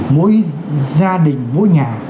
mỗi gia đình mỗi nhà